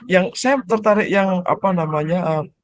yang saya tertarik yang apa namanya